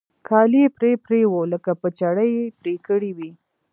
كالي يې پرې پرې وو لکه په چړې پرې كړي وي.